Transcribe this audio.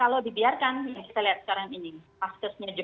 kalau dibiarkan yang kita lihat sekarang ini